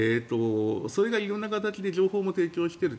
それが色んな形で情報も提供している。